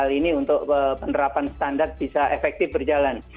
hal ini untuk penerapan standar bisa efektif berjalan